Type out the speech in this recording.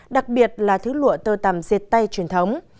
đặc biệt là thứ lụa tơ tầm dệt tay truyền thống